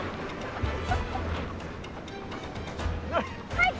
はい！